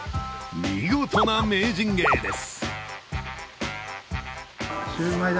見事な名人芸です。